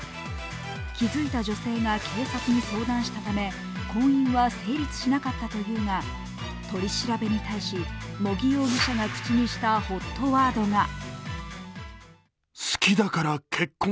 気付いた女性が警察に相談したため婚姻は成立しなかったというが取り調べに対し、茂木容疑者が口にしたＨＯＴワードが